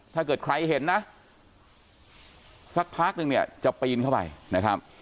ถ้าเกิดใครเห็นนะสักพักนึงเนี่ยจะปีนเข้าไปนะครับ